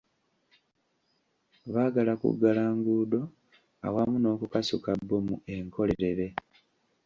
Baagala kuggala nguudo awamu n'okukasuka bbomu enkolerere.